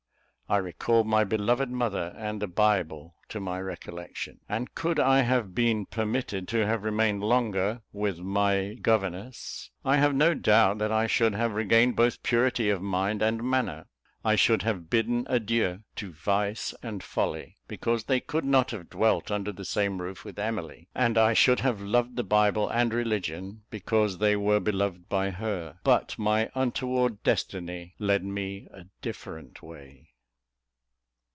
I recalled my beloved mother and the Bible to my recollection; and could I have been permitted to have remained longer with my "governess," I have no doubt that I should have regained both purity of mind and manner. I should have bidden adieu to vice and folly, because they could not have dwelt under the same roof with Emily; and I should have loved the Bible and religion, because they were beloved by her: but my untoward destiny led me a different way.